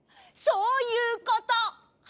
そういうこと！